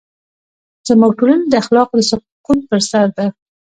زموږ ټولنه د اخلاقو د سقوط پر سر ده.